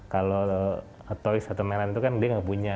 kalau toys atau merah itu kan dia nggak punya